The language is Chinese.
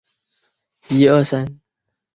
灰毛齿缘草是紫草科齿缘草属的植物。